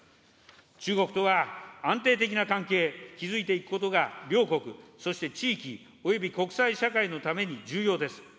中国とは安定的な関係、築いていくことが、両国、そして地域および国際社会のために重要です。